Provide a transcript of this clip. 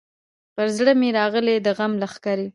پر زړه مي راغلې د غم لښکري